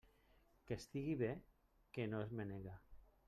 Qui estiga bé, que no es menege.